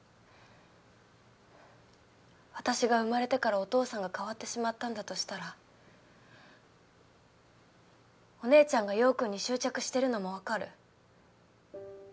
私が生まれてからお父さんが変わってしまったんだとしたらお姉ちゃんが陽君に執着してるのも分かる。